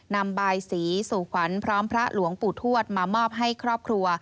นำบายสีสู่ขวัญพร้อมพระหลวงปู่ทวดมามอบให้ครอบครัว